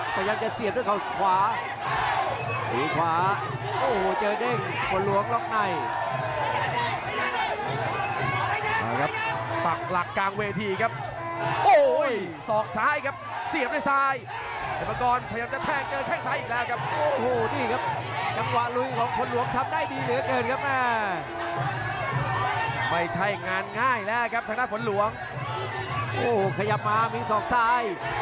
พยายามมามีสองซ้ายเป็นมันก่อนล็อคในมันลงเสียบด้วยซ้าย